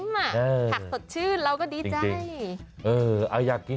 ผักสดชื่นเราก็ดีใจ